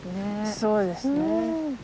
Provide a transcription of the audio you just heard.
そうですね。